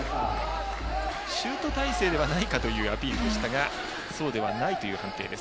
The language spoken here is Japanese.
シュート体勢ではないかというアピールでしたがそうではないという判定です。